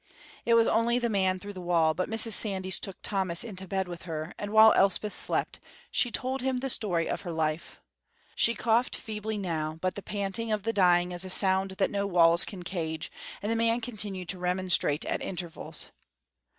It was only the man through the wall, but Mrs. Sandys took Tommy into bed with her, and while Elspeth slept, told him the story of her life. She coughed feebly now, but the panting of the dying is a sound that no walls can cage, and the man continued to remonstrate at intervals.